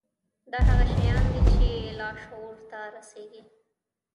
دا هغه شيان دي چې لاشعور ته رسېږي.